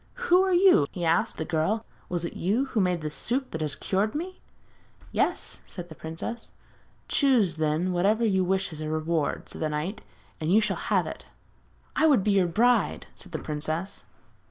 'Who are you?' he asked the girl; 'was it you who made this soup that has cured me?' 'Yes,' answered the princess. 'Choose, then, whatever you wish as a reward,' said the knight, 'and you shall have it.' 'I would be your bride!' said the princess.